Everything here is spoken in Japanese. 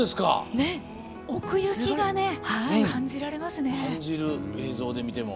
奥行きが感じられますね。